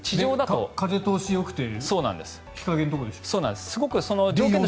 風通しがよくて日陰なんですね。